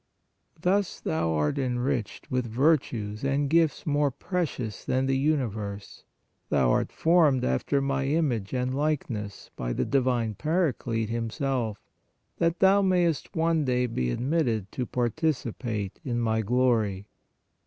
" Thus thou art enriched with virtues and gifts more precious than the universe; thou art formed after My image and likeness by the Divine Paraclete Himself, that thou mayst one day be admitted to participate in My glory.